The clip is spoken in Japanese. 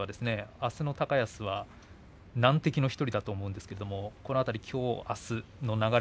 あすの高安戦は難敵の１人だと思いますけどもきょう、あすの流れ